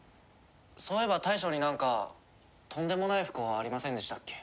そういえば大将になんかとんでもない不幸ありませんでしたっけ？